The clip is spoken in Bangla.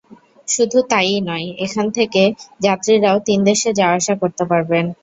শুধু তা-ই নয়, এখান থেকে যাত্রীরাও তিন দেশে যাওয়া-আসা করতে পারবেন।